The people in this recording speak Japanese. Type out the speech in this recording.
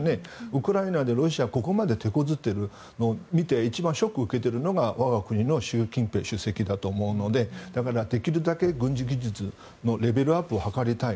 ウクライナでロシアがここまでてこずっているのを見て一番ショックを受けているのが我が国の習近平主席だと思うのでだからできるだけ軍事技術のレベルアップを図りたい。